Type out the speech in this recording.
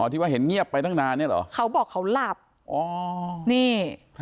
ที่ว่าเห็นเงียบไปตั้งนานเนี่ยเหรอเขาบอกเขาหลับอ๋อนี่